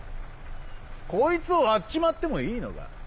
こいつを割っちまってもいいのか？